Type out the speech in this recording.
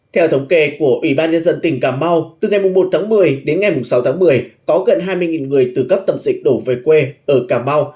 theo thống kê của ủy ban nhân dân tỉnh cà mau từ ngày một tháng một mươi đến ngày sáu tháng một mươi có gần hai mươi người từ các tầm dịch đổ về quê ở cà mau